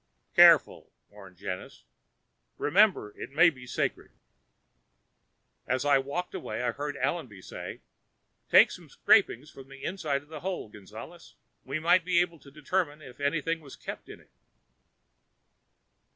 "Careful," warned Janus. "Remember, it may be sacred." As I walked away, I heard Allenby say, "Take some scrapings from the inside of the hole, Gonzales. We might be able to determine if anything is kept in it...."